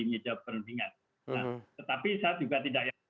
ngejabat perlindungan tetapi saya juga tidak yakin